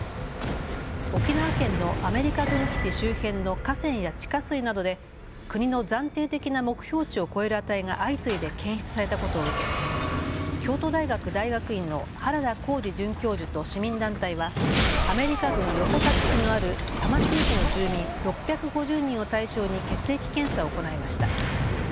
沖縄県のアメリカ軍基地周辺の河川や地下水などで国の暫定的な目標値を超える値が相次いで検出されたことを受け京都大学大学院の原田浩二准教授と市民団体はアメリカ軍横田基地のある多摩地域の住民６５０人を対象に血液検査を行いました。